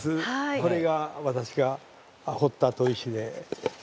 これが私が掘った砥石で。